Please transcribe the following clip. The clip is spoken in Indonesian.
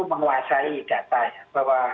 menguasai data bahwa